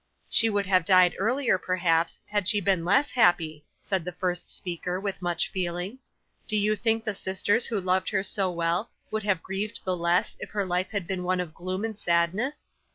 'She would have died earlier, perhaps, had she been less happy,' said the first speaker, with much feeling. 'Do you think the sisters who loved her so well, would have grieved the less if her life had been one of gloom and sadness?